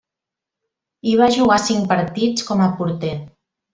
Hi va jugar cinc partits com a porter.